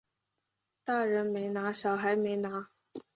大人没拿小孩没拿